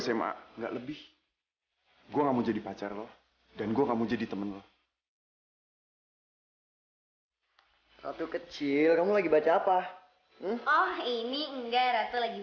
cuma buat bangun rata kayak tidur